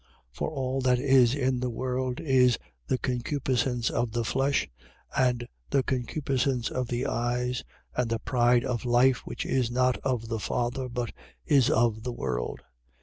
2:16. For all that is in the world is the concupiscence of the flesh and the concupiscence of the eyes and the pride of life, which is not of the Father but is of the world.